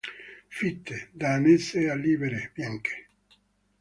Fitte, da annesse a libere, bianche.